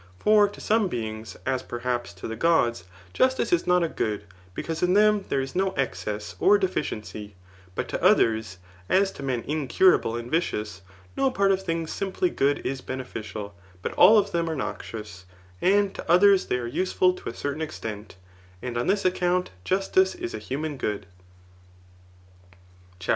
For to some beings^ as perhaps to the gods, justice is not a good, because in them there is no excess, [or deficiency ;] but to others, as to men incurable and vicious, no part of things simply good is beneficial, but all of them are noxious ; and to others they are useful to a certain exxsnt } and on this account justice is a humau^ good. Digitized by Google CHAP.